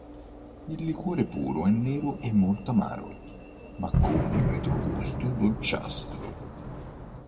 Il liquore puro è nero e molto amaro, ma con un retrogusto dolciastro.